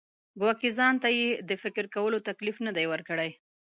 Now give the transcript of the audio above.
ګواکې ځان ته یې د فکر کولو تکلیف نه دی ورکړی.